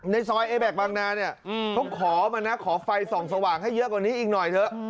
ในซอยเอแบ็คบางนาเนี่ยเขาขอมานะขอไฟส่องสว่างให้เยอะกว่านี้อีกหน่อยเถอะ